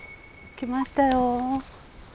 来ましたよ。